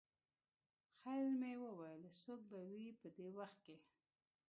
خیر مې وویل څوک به وي په دې وخت.